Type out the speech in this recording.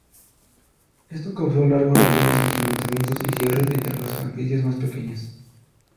Esto causó largos retrasos entre lanzamientos y cierres entre las franquicias más pequeñas.